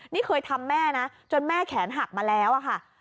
นี่เคยทำแม่นะจนแม่แขนหักมาแล้วอะค่ะ